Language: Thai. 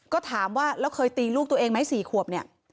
ก็ถามว่าแล้วเคยตีลูกตัวเองไหม๔ขวบเนี่ย